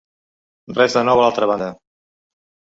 Res de nou a l’altra banda.